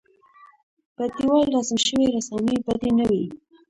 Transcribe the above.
پر دېوال رسم شوې رسامۍ بدې نه وې.